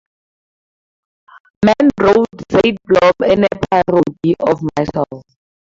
Mann wrote, Zeitblom is a parody of myself.